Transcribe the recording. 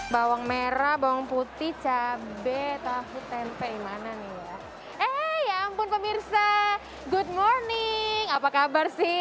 bawang merah bawang putih cabai tahu tempe mana nih ya eh ya ampun pemirsa good morning apa kabar sih